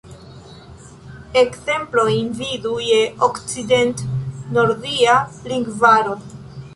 Ekzemplojn vidu je Okcident-nordia lingvaro.